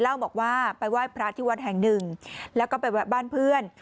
เล่าบอกว่าไปไหว้พระที่วัดแห่งหนึ่งแล้วก็ไปแวะบ้านเพื่อน